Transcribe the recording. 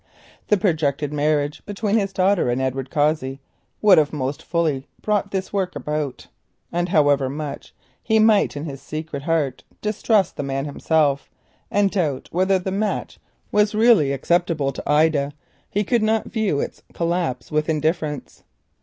The projected marriage between his daughter and Edward Cossey would have brought this about most fully, and however much he might in his secret heart distrust the man himself, and doubt whether the match was really acceptable to Ida, he could not view its collapse with indifference.